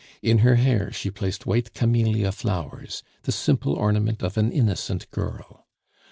In her hair she placed white camellia flowers, the simple ornament of an innocent girl.